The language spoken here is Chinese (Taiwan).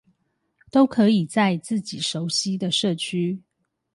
都可以在自己熟悉的社區